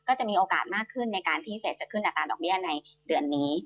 จะมีโอกาสมากขึ้นในการที่จะขึ้นอัตราดอกเบี้ยในเดือนนี้